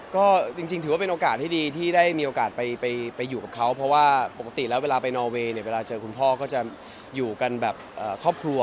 ก็จริงถือว่าเป็นโอกาสที่ดีที่ได้มีโอกาสไปอยู่กับเขาเพราะว่าปกติแล้วเวลาไปนอเวย์เนี่ยเวลาเจอคุณพ่อก็จะอยู่กันแบบครอบครัว